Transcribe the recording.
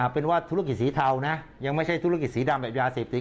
เป็นว่าธุรกิจสีเทานะยังไม่ใช่ธุรกิจสีดำแบบยาเสพติด